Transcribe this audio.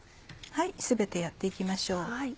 全てやって行きましょう。